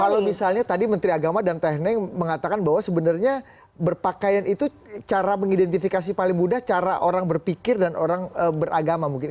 kalau misalnya tadi menteri agama dan teknik mengatakan bahwa sebenarnya berpakaian itu cara mengidentifikasi paling mudah cara orang berpikir dan orang beragama mungkin